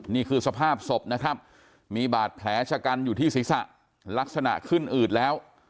นี่คือสภาพศพนะครับมีบาดแผลชะกันอยู่ที่ศีรษะลักษณะขึ้นอืดแล้ว